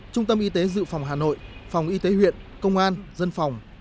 trung tâm y tế dự phòng hà nội phòng y tế huyện công an dân phòng